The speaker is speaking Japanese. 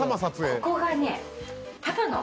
ここがね。